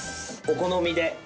お好みで。